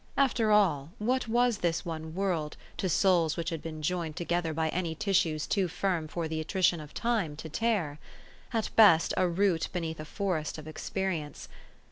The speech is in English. After all, what was this one world, to souls which had been joined together by any tissues too firm for the attrition of time to tear ? At best a root beneath a forest of experience.